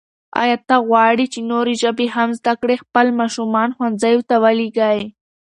آیا ته غواړې چې نورې ژبې هم زده کړې؟ خپل ماشومان ښوونځیو ته ولېږئ.